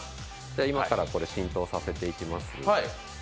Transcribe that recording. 今からこれ、浸透させていきます。